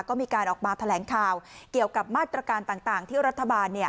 ก็มีการออกมาแถลงข่าวเกี่ยวกับมาตรการต่างที่รัฐบาล